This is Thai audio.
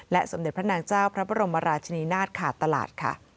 สมเด็จพระนางเจ้าพระบรมราชนีนาฏขาดตลาดค่ะ